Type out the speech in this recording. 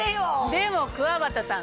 でもくわばたさん